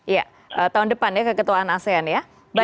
iya tahun depan ya keketuaan asean ya